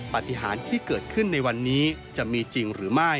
ปฏิหารที่เกิดขึ้นในวันนี้จะมีจริงหรือไม่